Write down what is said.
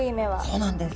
そうなんです。